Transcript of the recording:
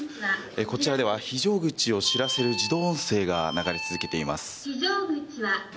こちらでは非常口を知らせる自動音声が流れ続けています。